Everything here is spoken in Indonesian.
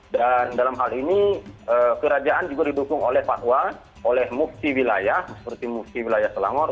dan dalam hal ini kerajaan juga didukung oleh pakwa oleh mufti wilayah seperti mufti wilayah selangor